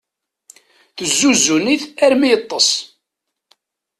Tezzuzzen-it armi yeṭṭes.